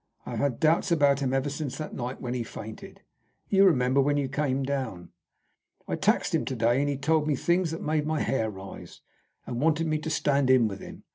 I have had doubts about him ever since that night when he fainted you remember, when you came down. I taxed him to day, and he told me things that made my hair rise, and wanted me to stand in with him.